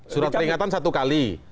surat peringatan satu kali